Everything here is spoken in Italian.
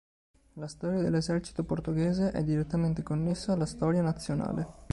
La storia dell'esercito portoghese è direttamente connessa alla storia nazionale.